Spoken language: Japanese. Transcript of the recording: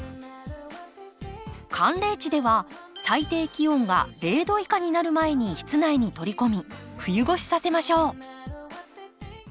寒冷地では最低気温が０度以下になる前に室内に取り込み冬越しさせましょう。